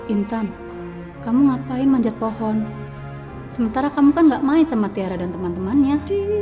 intan kamu ngapain manjat pohon sementara kamu kan gak main sama tiara dan teman temannya